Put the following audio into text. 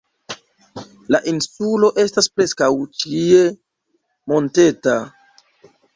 La insulo estas preskaŭ ĉie monteta.